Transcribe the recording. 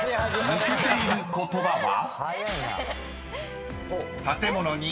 ［抜けている言葉は？］